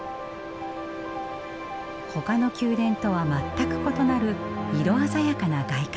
ほかの宮殿とは全く異なる色鮮やかな外観。